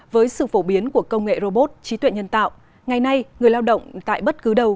với sự phổ biến của công nghệ robot trí tuệ nhân tạo ngày nay người lao động tại bất cứ đâu